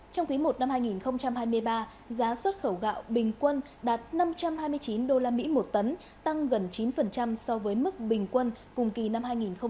trong quý i năm hai nghìn hai mươi ba giá xuất khẩu gạo bình quân đạt năm trăm hai mươi chín usd một tấn tăng gần chín so với mức bình quân cùng kỳ năm hai nghìn hai mươi hai